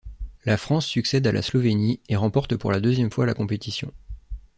La France succède à la Slovénie et remporte pour la deuxième fois la compétition.